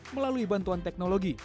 melalui bantuan teknologi